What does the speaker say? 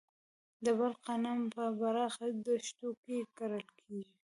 د بلخ غنم په پراخه دښتو کې کرل کیږي.